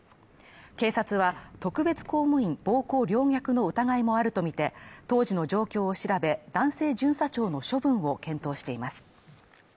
警察は特別公務員暴行陵虐の疑いもあるとみて当時の状況を調べ、男性巡査長の処分を検討しています。